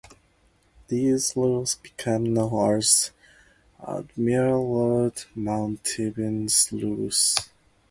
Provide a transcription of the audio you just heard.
These rules became known as Admiral-Lord Mountevans rules.